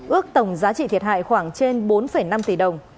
ước tổng giá trị thiệt hại khoảng trên bốn năm tỷ đồng